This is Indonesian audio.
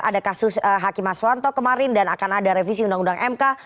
ada kasus hakim aswanto kemarin dan akan ada revisi undang undang mk